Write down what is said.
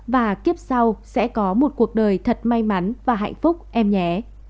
và kiếp sau sẽ có một cuộc đời thật may mắn và hạnh phúc em nhé